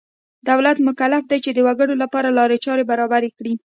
دولت مکلف دی چې د وګړو لپاره لارې چارې برابرې کړي.